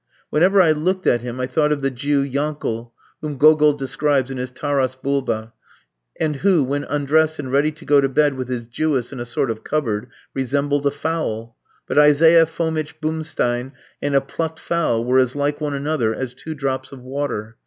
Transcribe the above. Whenever I looked at him I thought of the Jew Jankel, whom Gogol describes in his Tarass Boulba, and who, when undressed and ready to go to bed with his Jewess in a sort of cupboard, resembled a fowl; but Isaiah Fomitch Bumstein and a plucked fowl were as like one another as two drops of water.